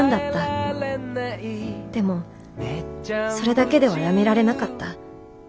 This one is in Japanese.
でもそれだけでは辞められなかった。